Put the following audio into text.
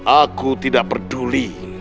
aku tidak peduli